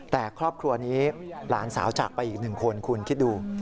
แต่ครอบครัวนี้หลานสาวจากไปอีกหนึ่งคนคุณคิดดู